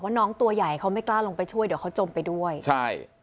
น้องตัวใหญ่เขาไม่กล้าลงไปช่วยเดี๋ยวเขาจมไปด้วยใช่